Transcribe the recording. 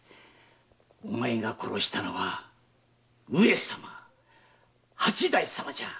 お前が殺したのは上様八代様じゃ。